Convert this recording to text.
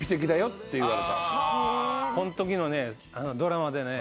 このときのねドラマでね